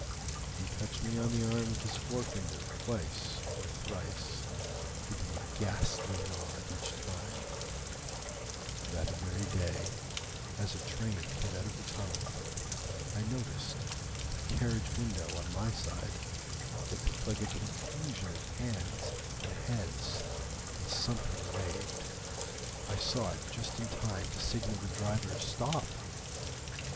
He touched me on the arm with his forefinger twice or thrice giving a ghastly nod each time:— "That very day, as a train came out of the tunnel, I noticed, at a carriage window on my side, what looked like a confusion of hands and heads, and something waved. I saw it just in time to signal the driver, Stop!